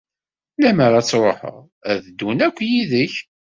Lemmer ad truḥeḍ, ad ddun akk yid-k.